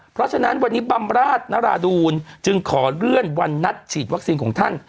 เพราะฉะนั้นวันนี้บำราชนราดูลจึงขอเลื่อนวันนัดฉีดวัคซีนของท่าน